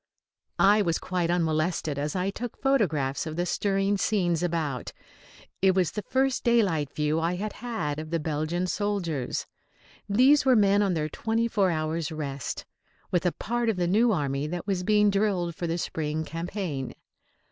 I was quite unmolested as I took photographs of the stirring scenes about. It was the first daylight view I had had of the Belgian soldiers. These were men on their twenty four hours' rest, with a part of the new army that was being drilled for the spring campaign.